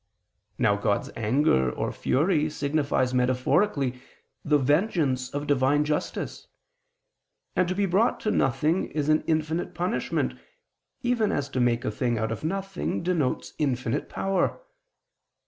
Now God's anger or fury signifies metaphorically the vengeance of Divine justice: and to be brought to nothing is an infinite punishment, even as to make a thing out of nothing denotes infinite power.